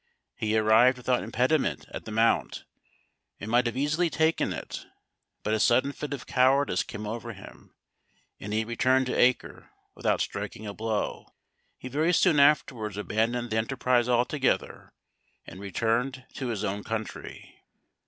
He arrived without impediment at the mount, and might have easily taken it; but a sudden fit of cowardice came over him, and he returned to Acre without striking a blow. He very soon afterwards abandoned the enterprise altogether, and returned to his own country.